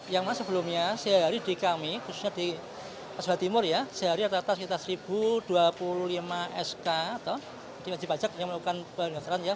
yang mana sebelumnya sehari di kami khususnya di jawa timur ya sehari rata rata sekitar seribu dua puluh lima sk atau wajib pajak yang melakukan pendaftaran